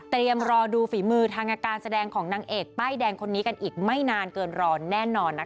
รอดูฝีมือทางการแสดงของนางเอกป้ายแดงคนนี้กันอีกไม่นานเกินรอนแน่นอนนะคะ